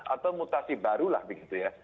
atau mutasi barulah begitu ya